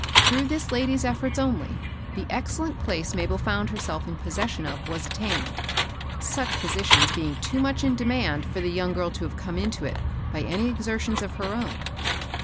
Through this lady's eflTorts only, the excellent place Mabel found herself in possession of was attained, — such positions being too much in demand for the young girl to have come into it by any exertions of her own.